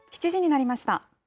７時になりました。